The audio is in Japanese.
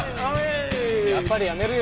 やっぱりやめるよ